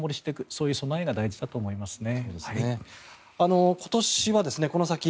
そういう備えが大事だと思いますね。